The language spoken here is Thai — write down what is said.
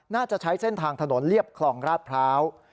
ใช้เส้นทางถนนเรียบคลองราชพร้าว